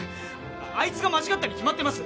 あいつが間違ったに決まってます